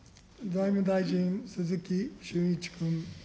財務大臣、鈴木俊一君。